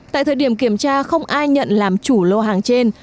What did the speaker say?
tại thời điểm kiểm tra không ai nhận làm chủ lô hàng trên